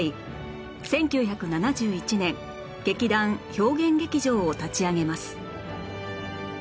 １９７１年劇団「表現劇場」を立ち上げます